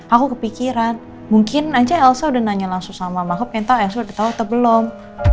aku kepikiran mungkin aja elsa udah nanya langsung sama mama aku pengen tau elsa udah tau atau belum